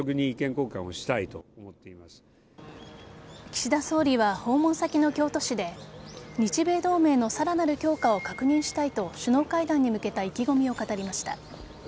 岸田総理は訪問先の京都市で日米同盟のさらなる強化を確認したいと首脳会談に向けた意気込みを語りました。